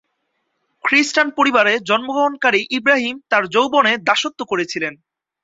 খ্রিস্টান পরিবারে জন্মগ্রহণকারী ইব্রাহিম তার যৌবনে দাসত্ব করেছিলেন।